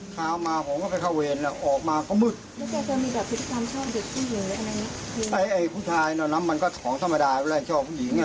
คุณผู้ชายนำมันก็ของธรรมดาว่าชอบผู้หญิง